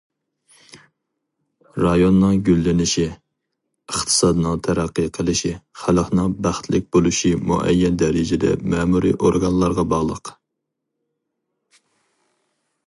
رايوننىڭ گۈللىنىشى، ئىقتىسادنىڭ تەرەققىي قىلىشى، خەلقنىڭ بەختلىك بولۇشى مۇئەييەن دەرىجىدە مەمۇرىي ئورگانلارغا باغلىق.